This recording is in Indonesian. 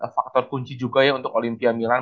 faktor kunci juga ya untuk olimpia milan